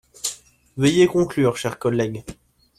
Veuillez conclure, cher collègue.